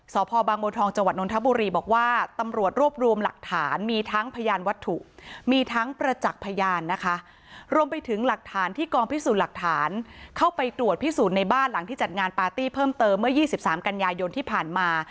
สพบางบัวทองจังหวัดนทบุรีบอกว่าตำรวจรวบรวมหลักฐานมีทั้งพยานวัตถุมีทั้งประจักษ์พยานนะคะรวมไปถึงหลักฐานที่กองพิสูจน์หลักฐานเข้าไปตรวจพิสูจน์ในบ้านหลังที่จัดงานปาร์ตี้เพิ่มเติมเมื่อ๒๓กันยายนที่ผ่านมา